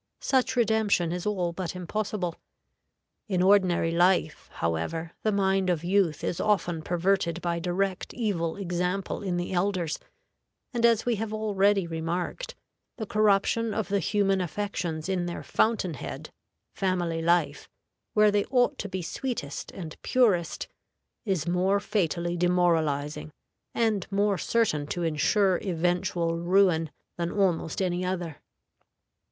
Such redemption is all but impossible. In ordinary life, however, the mind of youth is often perverted by direct evil example in the elders; and, as we have already remarked, the corruption of the human affections in their fountain head family life where they ought to be sweetest and purest, is more fatally demoralizing, and more certain to insure eventual ruin than almost any other.